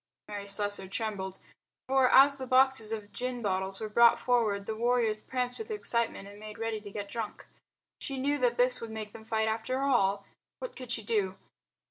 Mary Slessor trembled. For as the boxes of gin bottles were brought forward the warriors pranced with excitement and made ready to get drunk. She knew that this would make them fight after all. What could she do?